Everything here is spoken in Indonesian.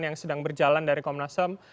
yang sedang berjalan dari komnasem